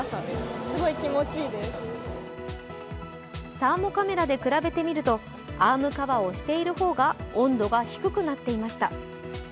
サーモカメラで比べてみるとアームカバーをしている方が温度が低くなっていました。